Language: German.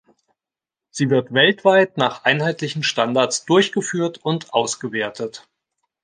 Sie wird weltweit nach einheitlichen Standards durchgeführt und ausgewertet.